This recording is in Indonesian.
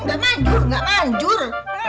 gak manjur gak manjur